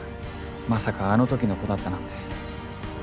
まさかあの時の子だったなんて。